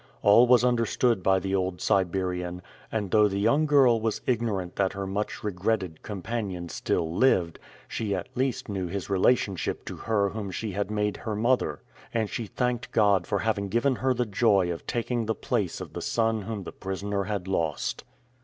All was understood by the old Siberian, and though the young girl was ignorant that her much regretted companion still lived, she at least knew his relationship to her whom she had made her mother; and she thanked God for having given her the joy of taking the place of the son whom the prisoner had lost.